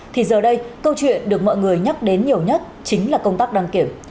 thì giờ đây câu chuyện được mọi người nhắc đến nhiều nhất chính là công tác đăng kiểm